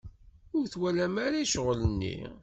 Ur twalem ara i ccɣel-nni.